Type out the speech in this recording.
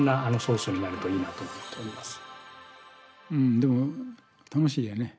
でも楽しいよね。